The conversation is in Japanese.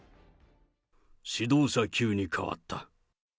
指導者級に変わった。